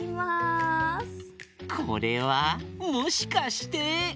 これはもしかして。